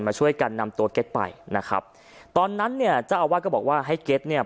มาช่วยกันนำตัวเก็ตไปนะครับตอนนั้นเนี่ยเจ้าอาวาสก็บอกว่าให้เก็ตเนี่ย